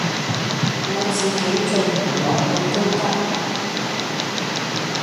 我自己做埋落去都得